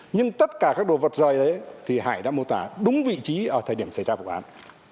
nhưng tất cả các đồ vật rời ấy thì hải đã mô tả đúng vị trí ở thời điểm xảy ra vụ án